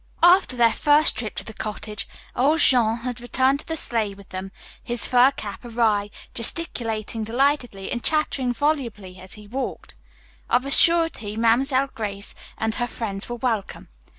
After their first trip to the cottage old Jean had returned to the sleigh with them, his fur cap awry, gesticulating delightedly and chattering volubly as he walked. Of a surety Mamselle Grace and her friends were welcome.